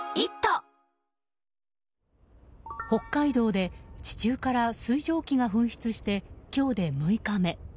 北海道で地中から水蒸気が噴出して今日で６日目。